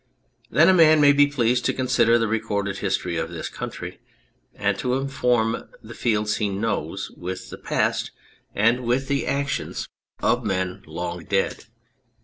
Then a man may be pleased to consider the recorded history of this country, and to inform the fields he knows with the past and with the actions of 253 On Anything men long dead.